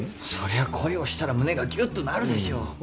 そりゃ恋をしたら胸がぎゅっとなるでしょう。